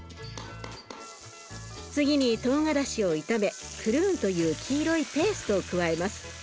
次にとうがらしを炒めクルーンという黄色いペーストを加えます。